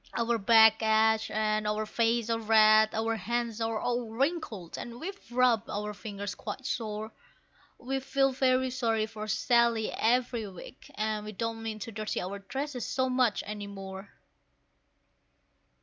Our backs ache, our faces are red, our hands are all wrinkled, and we've rubbed our fingers quite sore; We feel very sorry for Sally every week, and we don't mean to dirty our dresses so much any more.